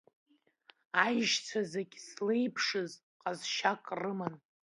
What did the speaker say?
Аишьцәа зегьы злеиԥшыз ҟазшьак рыман…